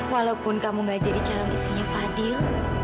walaupun kamu gak jadi calon istrinya fadil